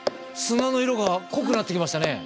砂の色が濃くなってきましたね。